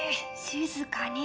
静かに！